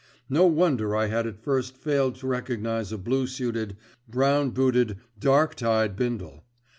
No wonder I had at first failed to recognise a blue suited, brown booted, dark tied Bindle.